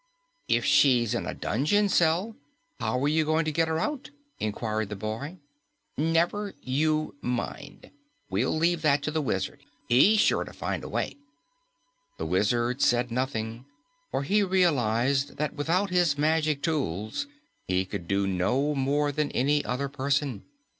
"If she's in a dungeon cell, how are you going to get her out?" inquired the boy. "Never you mind. We'll leave that to the Wizard. He's sure to find a way." The Wizard said nothing, for he realized that without his magic tools he could do no more than any other person.